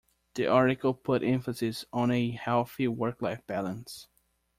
The article put emphasis on a healthy work-life balance.